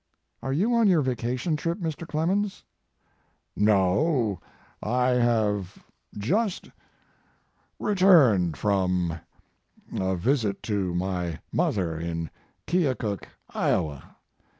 " Are you on your vacation trip, Mr. Clemens?" Mark Twain " No; I have just returned from a visit to my mother in Keokuk, Iowa.